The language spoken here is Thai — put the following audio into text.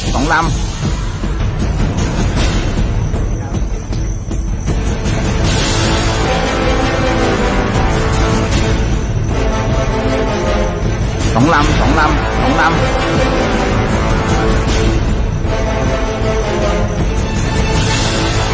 ตรงนั้นตรงนั้นตรงนั้น